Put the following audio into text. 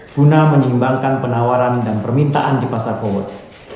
guna menyeimbangkan penawaran dan permintaan di pasar power